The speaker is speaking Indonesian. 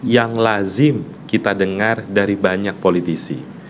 yang lazim kita dengar dari banyak politisi